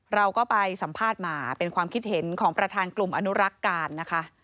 เราก็ไปสัมภาษณ์มาเป็นความคิดเห็นของประธานกลุ่มอนุรักษ์การนะคะ